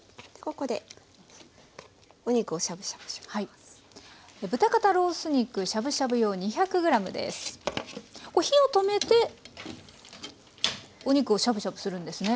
これ火を止めてお肉をしゃぶしゃぶするんですね。